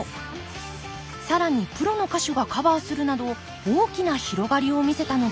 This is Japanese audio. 更にプロの歌手がカバーするなど大きな広がりを見せたのです